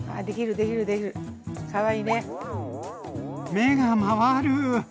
目が回る。